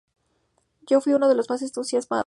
Yo fui uno de los más entusiasmados.